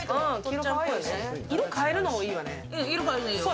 色、変えるのもいいよね。